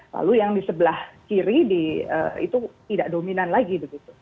lalu yang di sebelah kiri itu tidak dominan lagi begitu